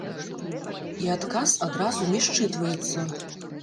І адказ адразу не счытваецца!